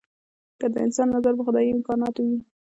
که د انسان نظر په خدايي امکاناتو وي.